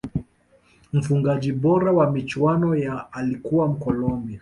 mfungaji bora wa michuano ya alikuwa mkolombia